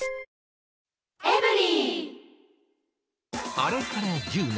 あれから１０年。